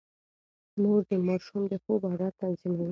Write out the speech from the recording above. مور د ماشوم د خوب عادت تنظيموي.